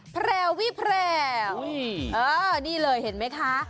แพรววิแพรวนี่เลยเห็นไหมคะ